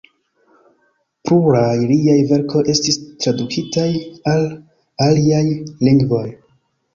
Pluraj liaj verkoj estis tradukitaj al aliaj lingvoj.